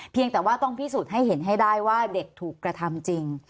แต่ว่าต้องพิสูจน์ให้เห็นให้ได้ว่าเด็กถูกกระทำจริง